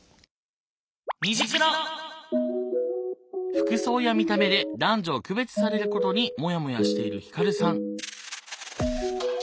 服装や見た目で男女を区別されることにモヤモヤしているひかるさん。